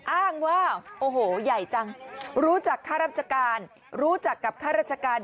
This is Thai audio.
อ้างว่าโอ้โหใหญ่จังรู้จักค่ารับจักรรู้จักกับค่ารับจักรระดับ